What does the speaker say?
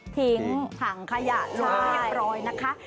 ถังขยะลงเรียบร้อยนะคะ